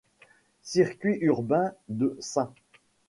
Circuit urbain de St.